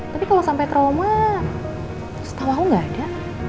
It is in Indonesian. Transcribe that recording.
tapi kalau sampai trauma setau aku gak ada